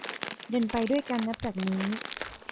เดินไปด้วยกันนับจากนี้